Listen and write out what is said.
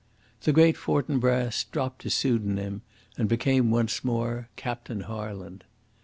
The Great Fortinbras dropped his pseudonym and became once more Captain Harland.